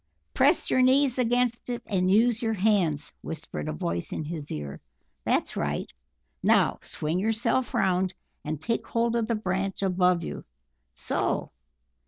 "Press your knees against it, and use your hands," whispered a voice in his ear. "That's right, now swing yourself round and take hold of the branch above you. So!